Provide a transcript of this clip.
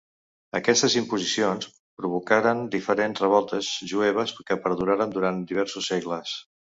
Aquestes imposicions provocaren diferents revoltes jueves que perduraren durant diversos segles.